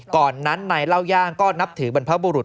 ก่อนนั้นนายเล่าย่างก็นับถือบรรพบุรุษ